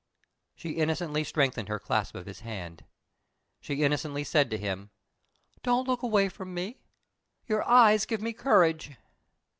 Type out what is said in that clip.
She innocently strengthened her clasp of his hand. She innocently said to him, "Don't look away from me. Your eyes give me courage."